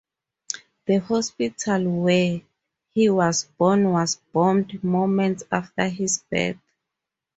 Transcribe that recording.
The hospital where he was born was bombed moments after his birth.